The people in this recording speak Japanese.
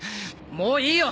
もういいよ！